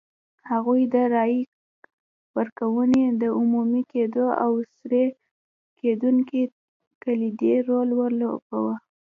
هغوی د رایې ورکونې د عمومي کېدو او سري کېدو کې کلیدي رول ولوباوه.